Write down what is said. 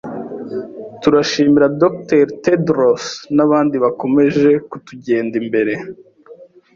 Turashimira dogiteri tedros nabandi bakomeje kutugenda imbere